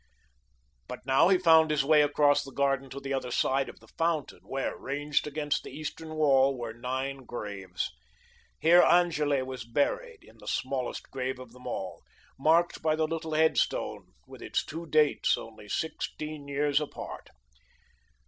But now he found his way across the garden on the other side of the fountain, where, ranged against the eastern wall, were nine graves. Here Angele was buried, in the smallest grave of them all, marked by the little headstone, with its two dates, only sixteen years apart.